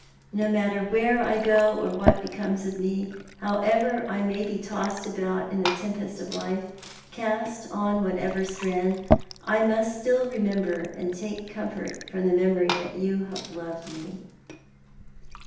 No matter where I go, or what becomes of me — however I may be tossed about in the tempest of life — cast on whatever strand — I must still remember — still take comfort from the memory that you have loved me."